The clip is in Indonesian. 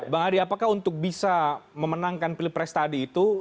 bang adi apakah untuk bisa memenangkan pilpres tadi itu